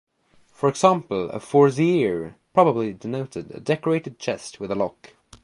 For example, a "forziere" probably denoted a decorated chest with a lock.